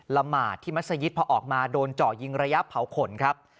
ละหมาทที่มาสะยิดเพราะออกมาโดนเจาะยิงระยะเผาขนครับ